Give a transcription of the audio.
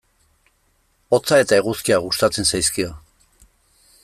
Hotza eta eguzkia gustatzen zaizkio.